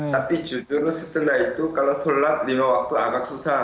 tapi jujur setelah itu kalau sholat lima waktu agak susah